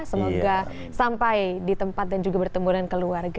semoga sampai di tempat dan juga bertemu dengan keluarga